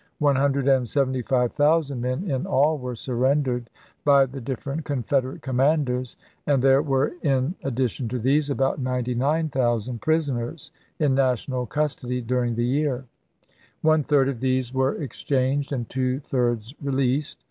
One hundred and seventy five thousand men in all were surrendered by the different Confederate commanders, and there were, in ad dition to these, about 99,000 prisoners in national custody during the year ; one third of these were exchanged and two thirds released.